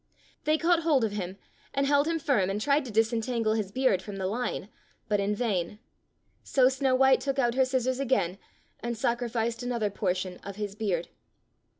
They caught hold of him, and held him firm and tried to disentangle his beard from the line, but in vain. So Snow white took out her scissors again and sacrificed another por tion of his beard.